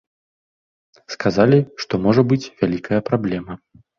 Сказалі, што можа быць вялікая праблема.